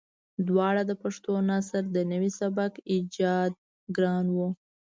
دواړه د پښتو نثر د نوي سبک ايجادګران وو.